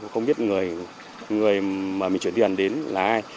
không biết người mà mình chuyển tiền đến là ai